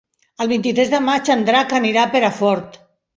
El vint-i-tres de maig en Drac anirà a Perafort.